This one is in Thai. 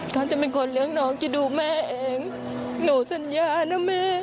เขาจะเป็นคนเลี้ยงน้องจะดูแม่เองหนูสัญญานะแม่